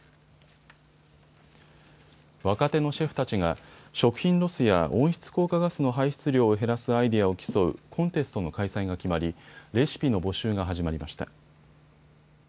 若手のシェフたちが食品ロスや温室効果ガスの排出量を減らすアイデアを競うコンテストの開催が決まりレシピの募集が始まりました。